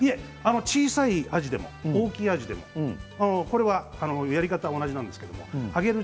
小さいアジでも大きなアジでもやり方は同じなんですけど揚げる